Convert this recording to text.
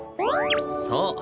そう。